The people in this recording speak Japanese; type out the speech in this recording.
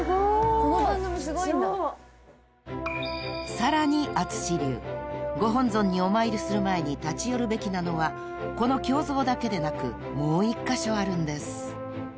［さらに淳流。ご本尊にお参りする前に立ち寄るべきなのはこの経蔵だけでなくもう一カ所あるんです］